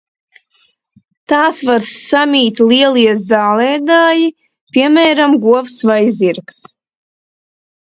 Tās var samīt lielie zālēdāji, piemēram, govs vai zirgs.